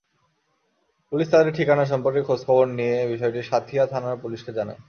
Police তাঁদের ঠিকানা সম্পর্কে খোঁজখবর নিয়ে বিষয়টি সাঁথিয়া থানার পুলিশকে জানায়।